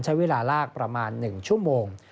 ใช้เวลาลากประมาณ๑ชั่วโมง